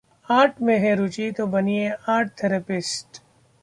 art में है रुचि तो बनिए आर्ट थेरेपिस्ट